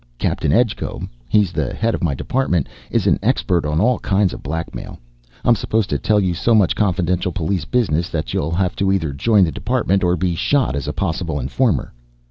"Captain Edgecombe he's the head of my department is an expert on all kinds of blackmail. I'm supposed to tell you so much confidential police business that you'll have to either join the department or be shot as a possible informer."